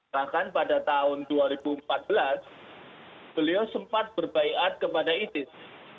bahkan pada tahun dua ribu empat belas beliau sempat berbaikat kepada isis